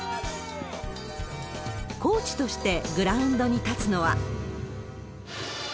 コーチとしてグラウンドに立つのは。